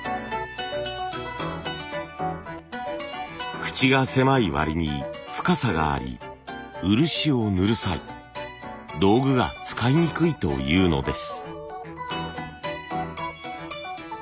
口が狭いわりに深さがあり漆を塗る際道具が使いにくいというのです。